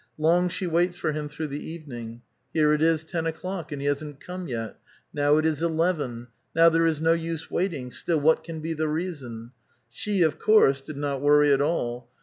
Long she waits for him through the evening ; here it is ten o'clock, and he hasn't come yet ; now it is eleven ; now there is no use waiting ; still what can be the reason ? She, of course, did not worry at all.